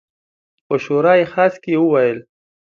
په شورای خاص کې وویل.